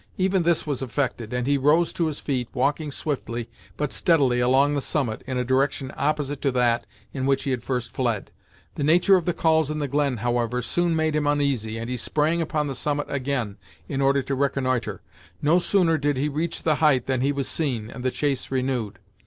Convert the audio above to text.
Even this was effected, and he rose to his feet, walking swiftly but steadily along the summit, in a direction opposite to that in which he had first fled. The nature of the calls in the glen, however, soon made him uneasy, and he sprang upon the summit again, in order to reconnoitre. No sooner did he reach the height than he was seen, and the chase renewed.